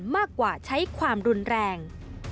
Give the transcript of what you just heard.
มากกว่าใช้ความรุนแรง